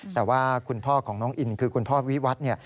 แต่ว่าคุณพ่อของน้องอินคือคุณพ่อวิวัฒน์เนี่ย